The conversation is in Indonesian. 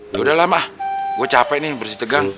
yaudah lam ah gue capek nih bersih tegang